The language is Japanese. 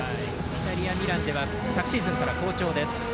イタリアミランでは昨シーズンから好調です。